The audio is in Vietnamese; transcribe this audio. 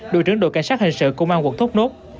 đội trưởng đội cảnh sát hình sự công an quận thốt nốt